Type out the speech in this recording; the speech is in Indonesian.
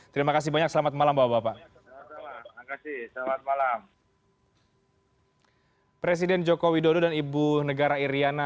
terima kasih banyak selamat malam bapak bapak